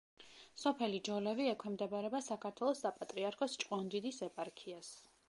სოფელი ჯოლევი ექვემდებარება საქართველოს საპატრიარქოს ჭყონდიდის ეპარქიას.